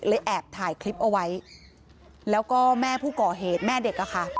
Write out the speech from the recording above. แอบถ่ายคลิปเอาไว้แล้วก็แม่ผู้ก่อเหตุแม่เด็กอะค่ะ